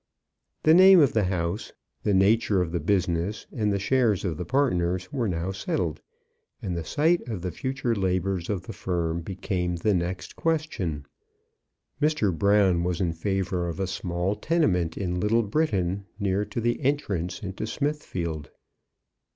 The name of the house, the nature of the business, and the shares of the partners were now settled, and the site of the future labours of the firm became the next question. Mr. Brown was in favour of a small tenement in Little Britain, near to the entrance into Smithfield.